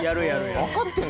分かってる？